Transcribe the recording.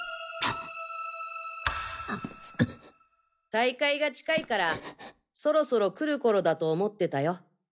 大会が近いからそろそろ来るころだと思ってたよ。